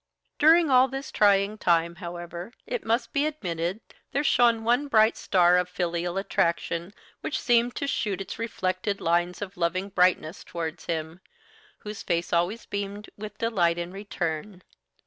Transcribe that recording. During all this trying time, however, it must be admitted there shone one bright star of filial attraction which seemed to shoot its reflected lines of loving brightness towards him, whose face always beamed with delight in return.